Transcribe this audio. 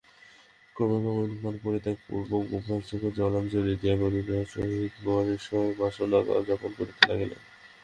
ক্রমে ক্রমে ধূমপান পরিত্যাগপূর্বক যোগাভ্যাসে জলাঞ্জলি দিয়া বারবনিতার সহিত বিষয়বাসনায় কালযাপন করিতে লাগিলেন।